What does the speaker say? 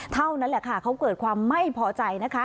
เท่านั้นแหละค่ะเขาเกิดความไม่พอใจนะคะ